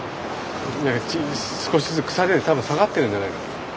少しずつ腐れで多分下がってるんじゃないか。